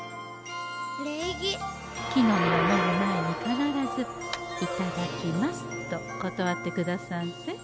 木の実をもぐ前に必ず「いただきます」と断ってくださんせ。